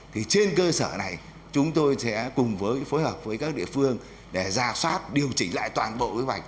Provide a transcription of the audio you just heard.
thì trên cơ sở này chúng tôi sẽ cùng với phối hợp với các địa phương để ra soát điều chỉnh lại toàn bộ quy hoạch